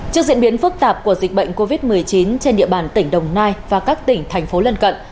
trước diễn biến phức tạp của dịch bệnh covid một mươi chín trên địa bàn tỉnh đồng nai và các tỉnh thành phố lân cận